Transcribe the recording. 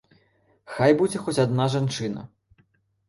Хай будзе хоць адна жанчына.